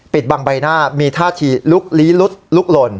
ปิดบางใบหน้ามีถ้าที่ลึกลี้ลุ๊ดลลึกหล่น